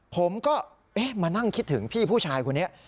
ผมก็มานั่งคิดถึงพี่ผู้ชายคนนี้